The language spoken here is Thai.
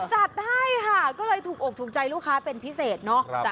จัดให้ค่ะก็เลยถูกอกถูกใจลูกค้าเป็นพิเศษเนอะ